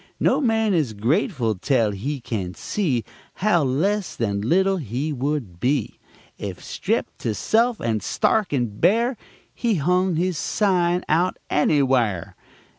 No man is grate tel he can see How less than little he would be Ef stripped to self, and stark and bare He hung his sign out anywhare.